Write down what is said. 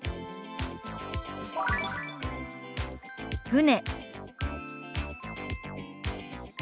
「船」。